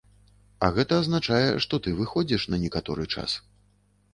А гэта азначае, што ты выходзіш на некаторы час.